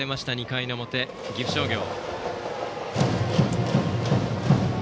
２回の表、岐阜商業。